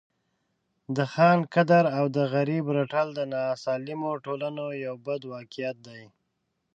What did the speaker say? د خان قدر او د غریب رټل د ناسالمو ټولنو یو بد واقعیت دی.